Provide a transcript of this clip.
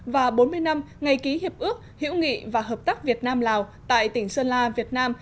và bốn mươi năm ngày ký hiệp ước hiểu nghị và hợp tác việt nam lào tại tỉnh sơn la việt nam